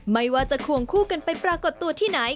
ไม่ว่าจะควงคู่กันไปปรากฏตัวที่ไหน